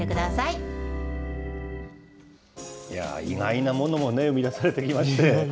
意外なものも生み出されてきましたね。